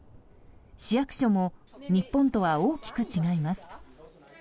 市役所も日本とは大きく違います。